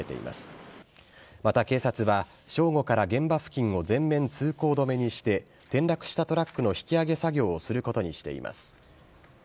また警察は、正午から現場付近を全面通行止めにして、転落したトラックの引き上げ作業をすることにしています。